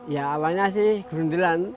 ya awalnya sih gerundilan